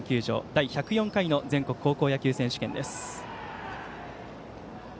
第１０４回の全国高校野球選手権。